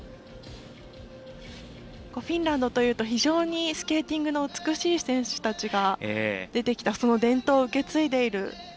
フィンランドというと非常にスケーティングの美しい選手が出てきた、伝統を受け継いでいる。